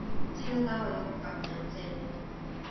sina tawa lon poka pi jan seme?